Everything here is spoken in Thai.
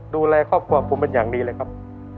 ดูแลครอบครัวผมเป็นอย่างดีเลยครับ